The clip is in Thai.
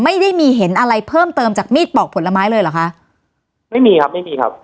ไม่ได้มีเห็นอะไรเพิ่มเติมจากมีดปอกผลไม้เลยเหรอคะไม่มีครับไม่มีครับ